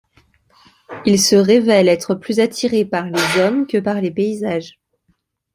Il se révèle être plus attiré par les hommes que par les paysages.